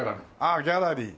ああギャラリー？